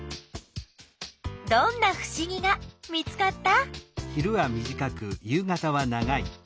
どんなふしぎが見つかった？